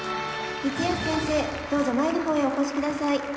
どうぞ前のほうへお越しください。